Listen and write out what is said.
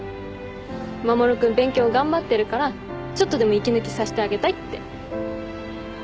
守君勉強頑張ってるからちょっとでも息抜きさせてあげたいって。